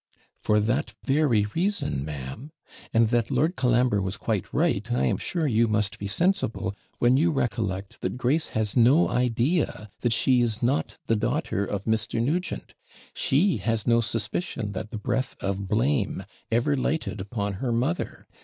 'For that very reason, ma'am; and that Lord Colambre was quite right, I am sure you must be sensible, when you recollect, that Grace has no idea that she is not the daughter of Mr. Nugent; she has no suspicion that the breath of blame ever lighted upon her mother.